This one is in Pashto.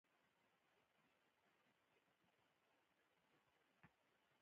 د افغانستان د شاته پاتې والي یو ستر عامل د روغتیايي خدماتو نیمګړتیاوې دي.